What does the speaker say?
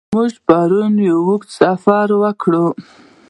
موږ پرون یو اوږد سفر وکړ.